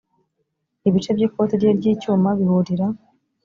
ibice by ikoti rye ry icyuma bihurira